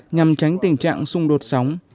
nhằm tránh tình trạng xung đột sóng